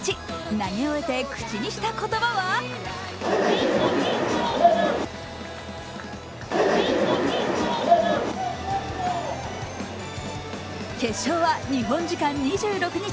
投げ終えて口にした言葉は決勝は日本時間２６日